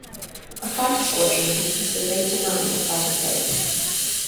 A fighter squadron consisted of eight to nine fighter planes.